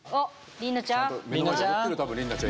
りんなちゃん！